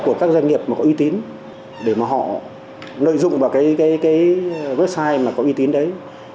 của các doanh nghiệp mà có uy tín để mà họ lợi dụng vào cái website mà có uy tín đấy